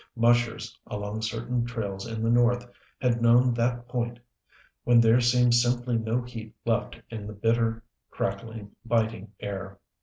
Mushers along certain trails in the North had known that point when there seems simply no heat left in the bitter, crackling, biting air.